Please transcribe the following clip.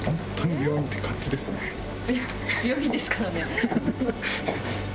病院ですからね。